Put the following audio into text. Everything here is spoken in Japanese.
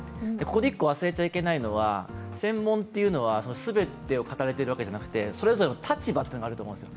ここで１個忘れちゃいけないのは、専門というのは全てを語れているわけじゃなくてそれぞれの立場があると思います。